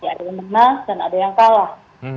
ada yang menang dan ada yang kalah